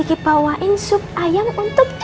ibu ini kiki bawain sup ayam untuk ibu